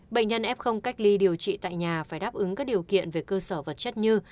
bệnh nhân f cách ly điều trị tại nhà phải đáp ứng các điều kiện về cơ sở vật chất như